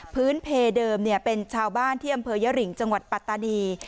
พื้นเพเดิมเป็นชาวบ้านที่อำเภอยริงจังหวัดปัตตานี